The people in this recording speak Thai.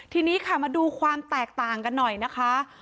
ทีนี้ค่ะมาดูความแตกต่างกันหน่อยนะคะ